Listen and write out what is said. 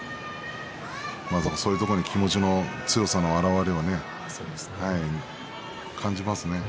そういうところに気持ちの強さが表れているのを感じますね。